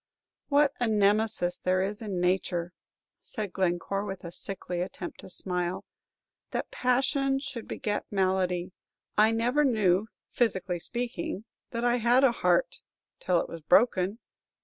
"What a Nemesis there is in nature," said Glencore, with a sickly attempt to smile, "that passion should beget malady! I never knew, physically speaking, that I had a heart till it was broken.